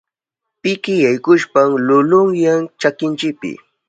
Piki yaykushpan lulunyan chakinchipi.